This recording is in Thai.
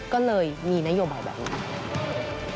ก็เลยมีนโยบายแบบนี้